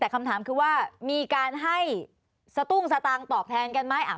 แต่คำถามคือว่ามีการให้สตุ้งสตางค์ตอบแทนกันไหม